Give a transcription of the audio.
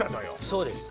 そうです